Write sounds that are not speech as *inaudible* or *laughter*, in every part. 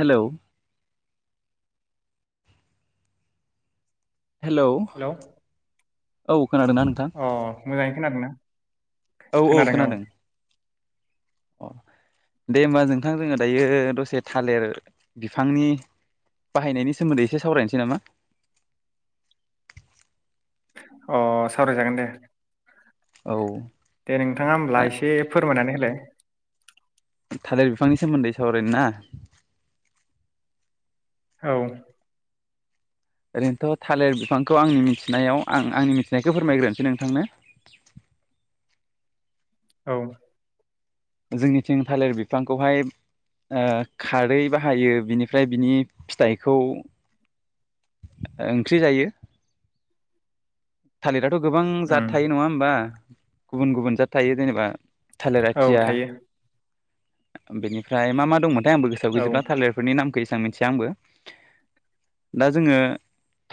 हेल'। Hello औ खोनादों ना नोंथां? अ मोजाङै खोनादोंना औ औ खोनादों। अ दे होमबा नोंथां जोङो दायो दसे थालिर बिफांनि बाहायनायनि सोमोन्दै एसे सावरायनोसै नामा? अ सावरायजागोन दे औ दे नोंथाङा होमब्ला एसे फोरमायनानै देह। थालिर बिफांनि सोमोन्दै सावरायनो ना? औ ओरैनोथ' थालिर बिफांखौ आंनि मिथिनायाव आं आंनि मिथिनायखौ फोरमायग्रोनोसै नोंथांनो। औ जोंनिथिं थालिर बिफांखौहाय ओ खारै बाहायो बिनिफ्राय बिनि फिथाइखौ ओ थालिरा। गोबां जाद उम थायो नङा होमबा। गुबुन गुबुन जा थायो जेनेबा थालिर औ आथिया। थायो बेनिफ्राय मा मा दंमोन? आंबो गोसोआव औ गैजोबब्ला थालिरफोरनि नामखो मिथिया आंबो दा जोङो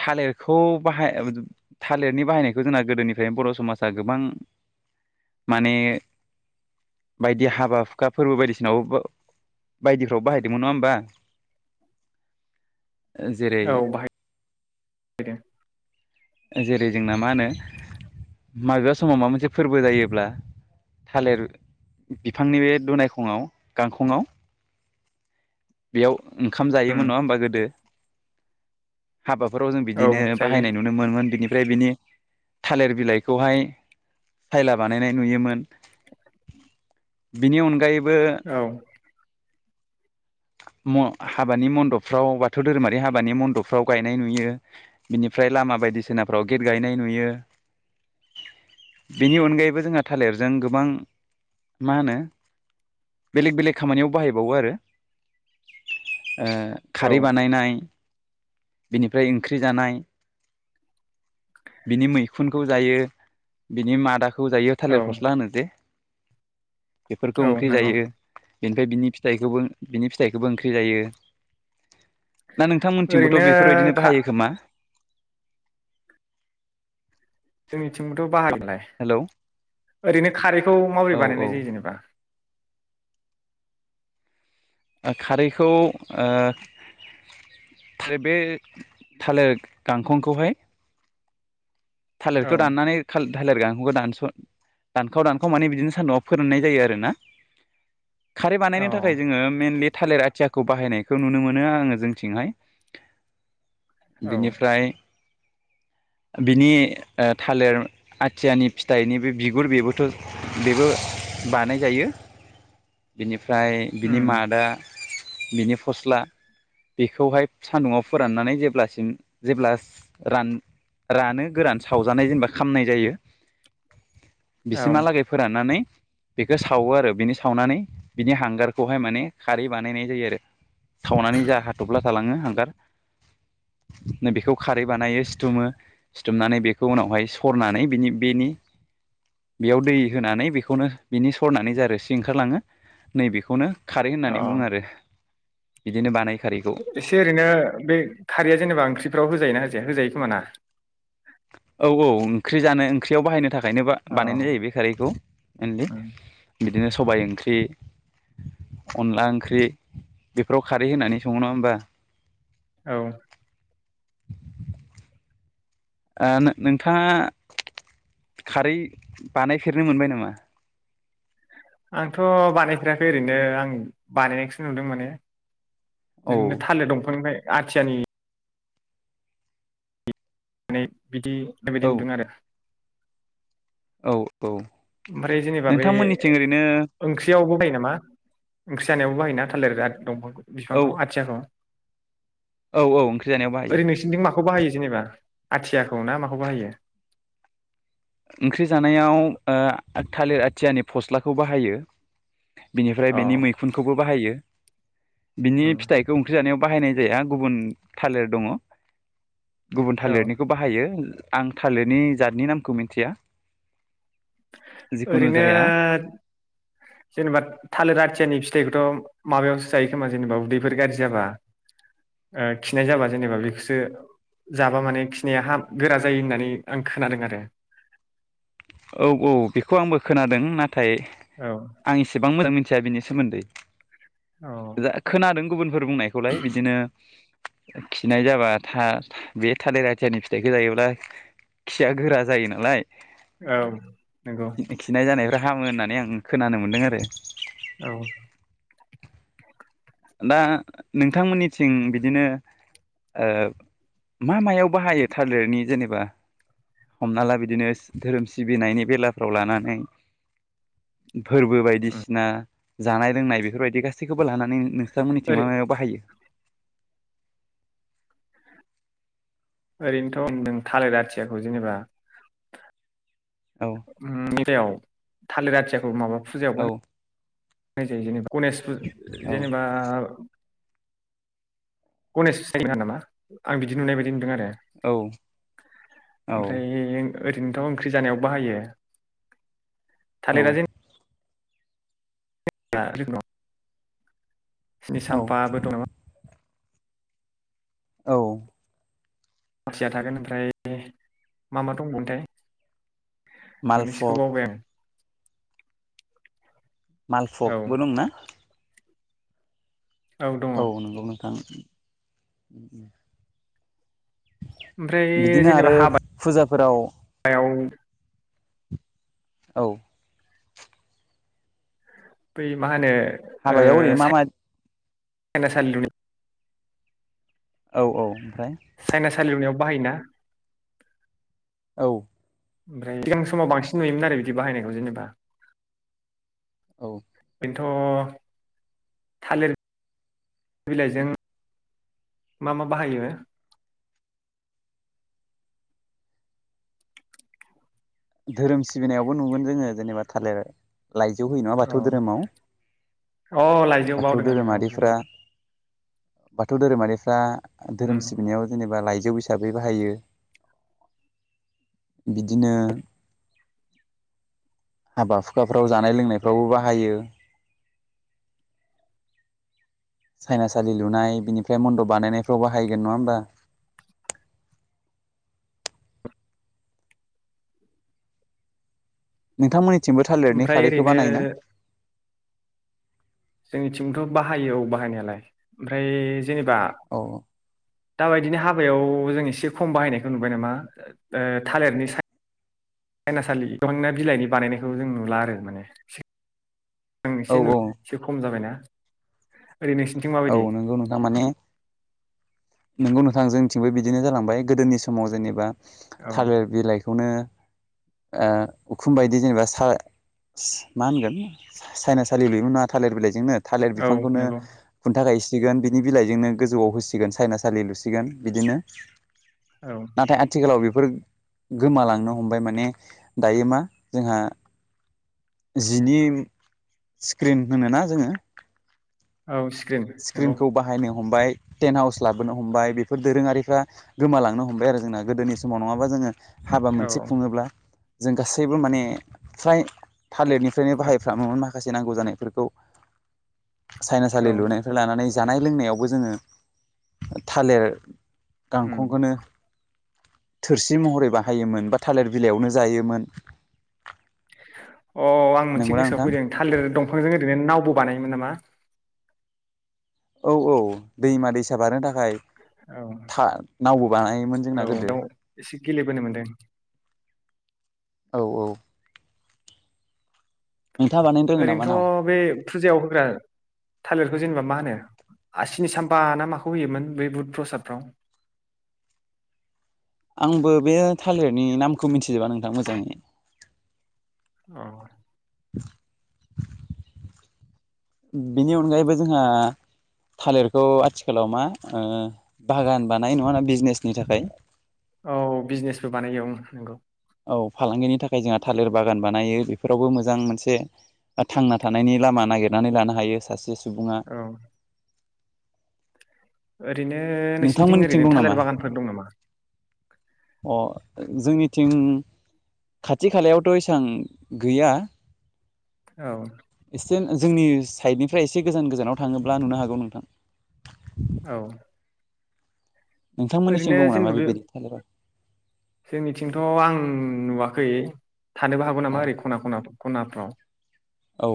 थालिरखौ बाहाय, थालिरनि बाहायनायखौ जोंना गोदोनिफ्रायनो बर' समाजा गोबां माने बायदि हाबा हुखा फोरबो बायदिसिनावबो बायदिफ्राव बाहायदोंमोन नङा होमबा, जेरै औ बाहाय दों जेरै जोंना मा होनो माबेबा समाव माबा मोनसे फोरबो जायोब्ला थालिर बिफांनि बे दुनायखङआव गांखंआव बेयाव ओंखाम उम जायोमोन नङा होमबा गोदो? हाबाफोराव जों औ बिदिनो जायो बाहायनाय नुनो मोनो। बिनिफ्राय बिनि थालिर बिलाइखौहाय सायला बानायनाय नुयोमोन। बिनि अनगायैबो। औ। म हाबानि मन्दबफ्राव बाथौ धोरोमारि हाबानि मन्दबफ्राव गायनाय नुयो, बिनिफ्राय लामा बायदिसिना फ्राव गेट गायनाय नुयो। बेनि अनगायैबो जोंहा थालिरजों गोबां मा होनो बेलेक बेलेक खामानियाव बाहायबावो आरो। ओ औ खारै बानायनाय बेनिफ्राय ओंख्रि जानाय। बिनि मैखुनखौ जायो, बिनि मादाखौ खौ जायो औ थालिर फस्ला होनो जे बेफोरखौ औ ओंख्रि नंगौ जायो। बेनिफ्राय बिनि फिथखौबो बिनि फिथाइखौबो ओंख्रि जायो। ना नोंथांमोनथिंबोथ' ओरैनो बेफोरबायदिनो खा बाहायो खोमा? बिथिंबोथ' *unintelligible* हेलौ ओरैनो खारैखौ औ माबोरै बानायनाय जायो औ जेनेबा? ओ खारैखौ ओ थालिर बे थालिर गांखंखौहाय औ थालिरखौ दाननानै था थालेर बिफांखौ दानस' दानखाव दानखाव माने बिदिनो सान्दुंआव फोराननाय जायो आरोना। खारै औ बानायनो थाखाय जोङो मेनलि थालिर आथियाखौ बाहायनायखौ नुनो मोनो आङो जोंनिथिंहाय। औ बिनिफ्राय बिनि ओ थालिर आथियानि फिथाइनि बे बिगुर बेबोथ' बेबो बानाय जायो। बिनि फ्राय बिनि उम मादा बिनि फस्ला बेखौहाय सान्दुंङाव फोराननानै जेब्लासिम जेब्ला रान रानो गोरान सावजानाय जेनेबा खामनाय जायो औ बिसिमहालागै फोराननानै बेखौ सावो आरो बिनि सावनानै बिनि हांगारखौहाय माने खारै बानायनाय जायो आरो। सावनानै जा हाथ'फ्ला थालाङो हां गार नै बेखौ खारै बानायो सिथुमो सिुमनानै बे खौ उनावहाय सरनानै बिनि बेनि बेयाव दै होनानै बेखौनो बिनि सरनानै जा रोसि ओंखारलाङो नै बेखौनो खारै अ होननानै बुङो आरो। बिदिनो बानाय खारैखौ एसे ओरैनो बे खारैया जेनेबा ओंख्रिफ्राव होजायो ना होजाया होजायो खोमा ना? औ औ ओंख्रि जानो ओंख्रियाव बाहायनो थाख खायनो औ बा-बानायनाय जायो बेखौ मेलनि। उम बिदिनो सबाय ओंख्रि, अनला ओंख्रि बेफोराव खारै होनानै सङो नङा होमबा? औ। ओ नो-नोंथाङा खारै बानायफेरनो मोनबाय नामा? आंथ' बानायफेराखै ओरैनो आं बानायनायखौसो नुदों माने। औ नो थालिर दंफांनिफ्राय। आथियानि। *inaudible* बिदि औ बेबायदि नुदों आरो। औ औ ओमफ्राय जेनेबा बे नोंथांमोननिथिं ओरैनो ओंख्रियावबो बाहायो नामा? मा ओंख्रि जानायावबो बाहायोना थालिरा आथ- दंफां? औ बिफांखौ आथियाखौ? औ औ ओंख्रि जानायाव बाहायो ओरै नोंसिनथिं माखौ बाहायो जेनेबा? आथियाखौ ना माखौ बाहायो? ओंख्रि जानायाव ओ-थालिर आथियानि फस्लाखौ बाहायो। बिनिफ्राय अ बेनि मैखुनखौबो बाहायो। बिनि फिथाइखौ ओंख्रि जानायाव। बाहायनाय जाया गुबुन थालिर दङ। गुबुन औ थालिरनिखौ बाहायो। आं थालिरनि जातनि नाम खौ मिथिया। जिखुनु ओरैनो जाया जेनेबा थालिर आथियानि फिथाइखौथ'। माबायावसो जायो खोमा जेनेबा उदैफोर गाज्रि जाबा ओ-खिनाय जाबा जेनेबा बेखौसो जाबा माने खिनाया हामो गोरा जायो होननानै आं खोनादों आरो। औ औ बेखौ आंबो खोनादों नाथ औ *unintelligible* आं एसेबां मोजां मि थिया बिनि सोमोन्दै। औ जा खोनादों गुबुनफोर बुंनायखौलाय बिदिनो खिनाय जाबा था- बे थालिर आथियानि फिथाइखौ जायोब्ला खिया गोरा जायो नालाय। औ नंगौ। खिनाय जानायफ्रा हामो होननानै आं खोनानो मोन्दों आरो। औ। दा नोंथांमोननिथिं बिदिनो ओ-मा मायाव बाहायो थालिरनि जेनेबा हमना ला बिदिनो धोरोम सिबिनायनि बेलाफ्राव लानानै। फोरबो उम। बायदिसिना। जानाय लोंनाय बेफोरबायदि गासैखौबो लानानै नों। थांमोननिथिं ओरै मा मायाव बाहायो? ओरैनोथ' थालिर आथियाखौ जेनेबा। औ *unintelligible* थालिर आथियाखौ माबा। फुजायावबो। औ नाय जायो जेनेबा गनेश पुज औ जेनेबा गनेश *unintelligible* नामा आं बिदि नुनाय बायदि नुदों आरो औ औ ओमफ्राय ओरैनोथ' ओंख्रि जानायाव बाहायो। औ थालिरा जों *inaudible* स्नि औ साम्फाबो दं *unintelligible* औ मासिया थागोन ओमफ्राय मा मा दंबावोमोनथाय मोननैसोखौ मालफग बावबाय आं। आं औ मालफकबो दंना औ नंगौ नोंथां। *unintelligible* ओमफ्राय बिदिनो जेनेबा आरो फुजाफोराव हाबायाव औ बै मा होनो ओ हाबायाव ओरैनो मा सा मा सायनासालि *inaudible* औ औ सायना सालि लुनायाव बाहायो ना औ ओमफ्राय सिगां समाव बांसिन नुयोमोन आरो बिदि बाहायनायखौ जेनेबा औ नोथ' थालिर बिलाइजों मा मा बाहायो? धोरोम सिबिनायावबो नुगोन जोङो जेनेबा थालिर लाइजौ होयो नङा औ बाथौ धोरोमाव अ लाइजौ बाथौ बावदों आङो औ धोरोमारिफ्रा नंगौ। बाथौ धोरोमारिफ्रा धोरोम उम सिबिनायाव जेनेबा लाइ जौ हिसाबै बाहायो। बिदिनो हाबा हुखाफ्राव जानाय लोंनायफ्रावबो बाहायो। सायनासालि लुनाय बिनिफ्राय मन्दप बानायनायफ्राव बाहायगोन नङा होमबा? नोंथांमोननि थिंबो थालिरनि ओमफ्राय खारैखौ ओरैनो बानायो ना? जोंनिथिंथ' बाहायो औ बाहायनायालाय ओमफ्राय जेनेबा औ दाबायदिनो हाबायाव जों एसे खम बाहायनायखौ नुबाय नामा ओ थालिरनि साय सायनासालि दहायना बिलाइनि बानायनायखौ जों नुला आरो माने आं औ एसे नु औ एसे खम जाबायना ओरै नोंसिनिथिं औ माबायदि नोंगौ नोंथां माने नोंगौ नोंथां जोंनिथिंबो बिदिनो जालांबाय गोदोनि समाव जेनेबा औ थालिर बिलाइखौनो ओ उखुम बायदि जेनेबा सा मा होनगोन सायनासाालि बेबो नङा थालिर बिलाइजोंनो थालिर औ बिफांखौनो नंगौ थाखायसिगोन बिनि बिलाइजोंनो गोजौआव होसिगोन सायनासालि लुसिगोन बिदिनो औ नाथाय आथिखालाव बे बेफोर गोमालांनो हमबाय माने दायो मा जोंहा जिनि स्क्रिन होनोना जोङो औ स्क्रिन नंगौ स्क्रिनखौ बाहायनो हमबाय टेन्ट हाउस लाबोनो हमबाय बेफोर दोरोङारिफ्रा गोमालांनो हमबाय आरो जोंना गोदोनि समाव नङाबा जोङो हाबा औ मोनसे खुङोब्ला जों गासैबो माने फ्राय थालेटनिफ्रायनो बाहायफ्रामोमोन माखासे नांगौ जानायफोरखौ साइनासालि लुनो माने जानाय लोंनायावबो जोङो थालेर उम गांखंखौनो थोरसि महरै बाहायोमोन बा थालिर बिलाइयावनो जायोमोन *inaudible* अ आं मोनसे नंगौना गोसोआव नोंथां फैदों थालिर दंफांजों ओरैनो नावबो बानायोमोन नामा औ औ दैमा दैसा बारनो थाखाय औ था नावबो बानायोमोन जोंना औ गोदो बाव एसे गेलेबोनो मोनदों औ औ नोंथाङा बानायनो रोङो नामा नाव ओरैनोथ' बे फुजायाव होग्रा थालिरखौ जेनेबा मा होनो आ सिनि सामफा ना माखौ होयोमोन बै बुट प्रसादफ्राव आंबो बे थालिरनि नामखौ मिथिजोबा नोंथां मोजाङै औ *inaudible* बिनि अनगायैबो जोंहा थालिरखौ आथिखालाव मा ओ बागान बानाय नङाना बिजनेसनि थाखाय औ बिजनेसबो बानायो उम नोंगौ औ फालांगिनि थाखाय जोंहा थालिर बागान बानायो बेफोरावबो मोजां मोनसे थांना थानायनि लामा नागिरनानै लानो हायो सासे सु बुङा औ ओरैनो नोंसिनिथिं नोंथांमोननिथिं ओरैनो दं नामा थालेर बागानफोर दं नामा? अ जोंनिथिं खाथि खालायावथ' एसां गैया। औ एसे जोंनि साइडनिफ्राय एसे गोजान गोजानाव थाङोब्ला नुनो हागौ नोंथां। औ नोंथांमोननिसिम ओरैनो दङ नामा जेनबा बे बेबायदि थालिरा जोंनिथिंथ' आं नुवाखै थानोबो हागौ अ नामा ओरै खना खना खनाफ्राव औ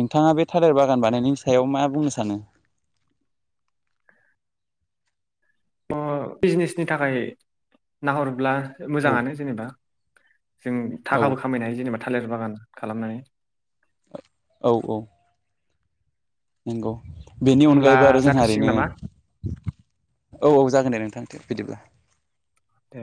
नोंथाङा बे थालेर बागान बानायनायनि सायाव मा बुंनो सानो? अ बिजनेसनि थाखाय नाहरोब्ला औ मोजाङानो जेनेबा जों औ थाखाबो खामायनो हायो जेनेबा थालिर बागान खालामनानै औ औ नोंगौ बेनि होमब्ला अनगायैबो आरो जोंहा जाथ'सिगोन ओरैनो नामा औ औ जागोन दे नोंथां। बिदिब्ला दे।